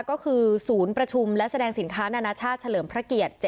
ก็คือศูนย์ประชุมและแสดงสินค้านานาชาติเฉลิมพระเกียรติ